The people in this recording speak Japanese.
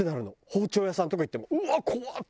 包丁屋さんとか行ってもうわ怖っ！